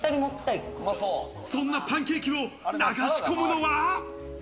そんなパンケーキを流し込むのは。